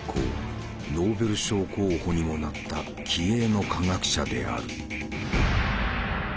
ノーベル賞候補にもなった気鋭の科学者である。